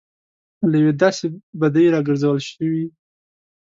له یوې داسې بدۍ راګرځول شوي.